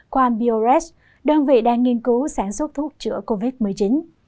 quang biores đơn vị đang nghiên cứu sản xuất thuốc chữa covid một mươi chín